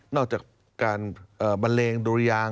อกจากการบันเลงดุรยาง